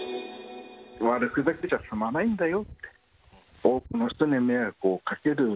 悪ふざけじゃ済まないんだよ。